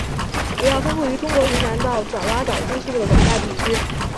主要分布于中国云南到爪哇岛中西部的广大地区。